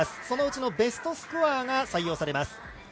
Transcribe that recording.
そのうちのベストスコアが採用されます。